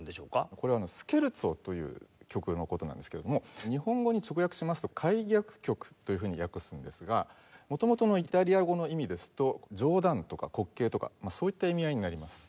これはスケルツォという曲の事なんですけれども日本語に直訳しますと諧謔曲というふうに訳すんですが元々のイタリア語の意味ですと「冗談」とか「滑稽」とかそういった意味合いになります。